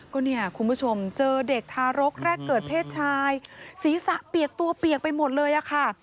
ก็เนี่ยคุณผู้ชมเจอเด็กทารกแรกเกิดเพศชายศีรษะเปียกตัวเปียกไปหมดเลยอะค่ะ